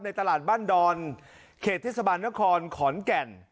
ตลาดบ้านดอนเขตเทศบาลนครขอนแก่น